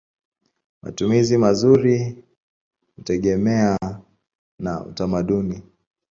Matumizi mazuri hutegemea na utamaduni.